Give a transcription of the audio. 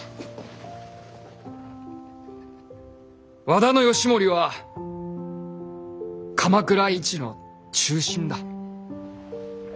和田義盛は鎌倉一の忠臣だ。